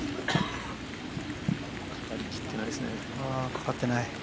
かかってない。